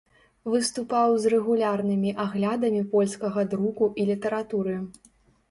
Выступаў з рэгулярнымі аглядамі польскага друку і літаратуры.